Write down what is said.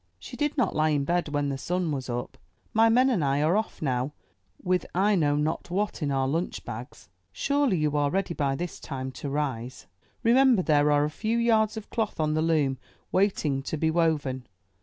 She did not lie in bed when the sun was up. My men and I are off now with I know not what in our lunch bags. Surely you are ready by this time to rise. Remember there are a few yards of cloth on the loom waiting to be woven."